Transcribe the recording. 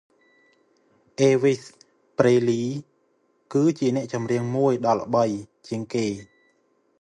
អេលវីស ប្រេសលី គឺអ្នកចម្រៀងមួយល្បីជាងគេ។